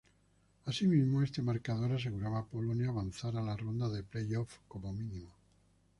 Asimismo, este marcador aseguraba a Polonia avanzar a la ronda de playoff como mínimo.